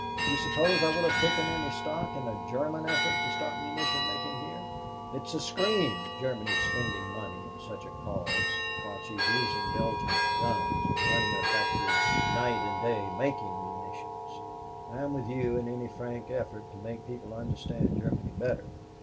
Do you suppose I would have taken any stock in a German effort to stop munition making here? It's a scream Germany spending money in such a cause while she's using Belgium's guns and running her factories night and day making munitions! I'm with you in any frank effort to make people understand Germany better.